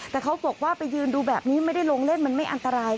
แต่เขาบอกว่าไปยืนดูแบบนี้ไม่ได้ลงเล่นมันไม่อันตราย